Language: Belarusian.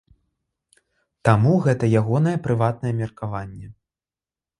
Таму гэта ягонае прыватнае меркаванне.